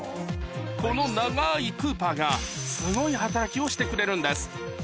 この長いクーパーがすごい働きをしてくれるんです